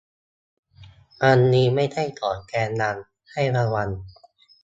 อันนี้ไม่ใช่ของแกนนำ ให้ระวัง